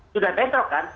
sudah bentro kan